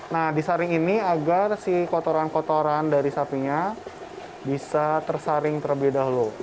nah disaring ini agar si kotoran kotoran dari sapinya bisa tersaring terlebih dahulu